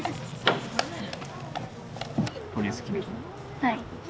はい。